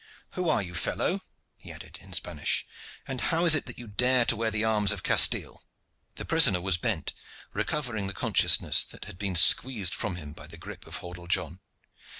Who are you, fellow?" he added in Spanish, "and how is it that you dare to wear the arms of Castile?" The prisoner was bent recovering the consciousness which had been squeezed from him by the grip of Hordle John.